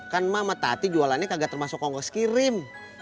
kan emak sama tatinya jualannya kagak termasuk ongkos kirim